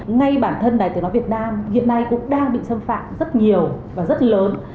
ngay bản thân đài tiếng nói việt nam hiện nay cũng đang bị xâm phạm rất nhiều và rất lớn